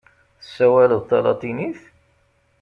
Tessawaleḍ talatinit?